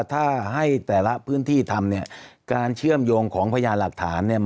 ถ้าให้แต่ละพื้นที่ทำการเชื่อมโยงของพยานหลักฐาน